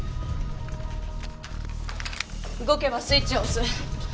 動けばスイッチを押す。